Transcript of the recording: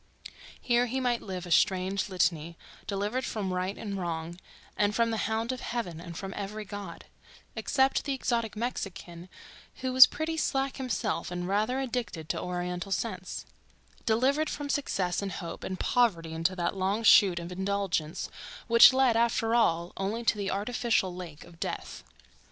Here he might live a strange litany, delivered from right and wrong and from the hound of heaven and from every God (except the exotic Mexican one who was pretty slack himself and rather addicted to Oriental scents)—delivered from success and hope and poverty into that long chute of indulgence which led, after all, only to the artificial lake of death.